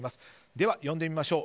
では呼んでみましょう。